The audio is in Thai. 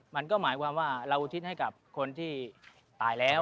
มันก็หมายความว่าเราอุทิศให้กับคนที่ตายแล้ว